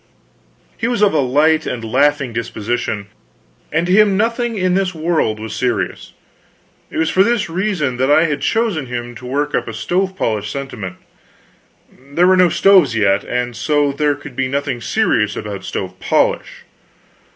He was of a light and laughing disposition, and to him nothing in this world was serious. It was for this reason that I had chosen him to work up a stove polish sentiment. There were no stoves yet, and so there could be nothing serious about stove polish.